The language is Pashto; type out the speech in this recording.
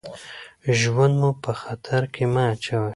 ژوند مو په خطر کې مه اچوئ.